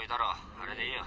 あれでいいよ。